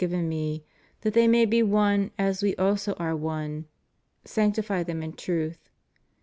349 given Me: that they may he one as We also are one. ... Sanctify them in truth.